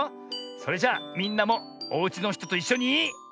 それじゃみんなもおうちのひとといっしょに。